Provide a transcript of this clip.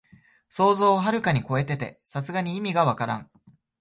想像をはるかにこえてて、さすがに意味がわからん